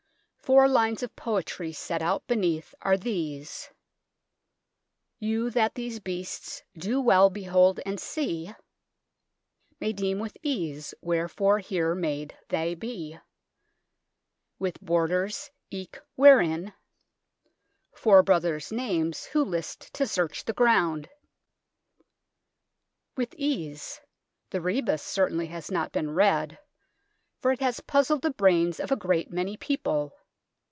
Four lines of poetry set out beneath are these :" Yow that these beasts do wel behold and se May deme withe ease wherfore here made they be, Withe borders eke wherin 4 brothers names who list to serche the ground." " With ease," the rebus certainly has not been read, for it has puzzled the brains of a great many people.